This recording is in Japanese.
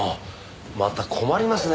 また困りますね